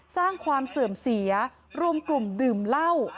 สร้างความเสื่อมเสียรวมกลุ่มดื่มเหล้า